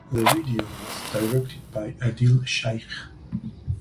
The video was directed by Adil Shaikh.